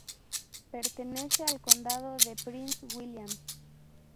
Pertenece al Condado de Prince William.